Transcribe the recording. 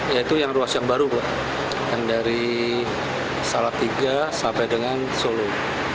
yaitu yang ruas yang baru pak yang dari salatiga sampai dengan solo